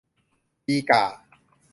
ดีก่า